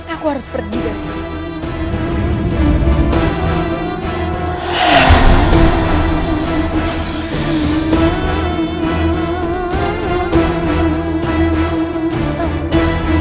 aku harus pergi dari sini